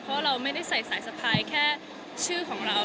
เพราะเราไม่ได้ใส่สายสะพายแค่ชื่อของเรา